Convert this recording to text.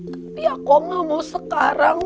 tapi aku gak mau sekarang